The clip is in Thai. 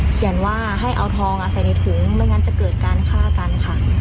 เขียนว่าให้เอาทองใส่ในถุงไม่งั้นจะเกิดการฆ่ากันค่ะ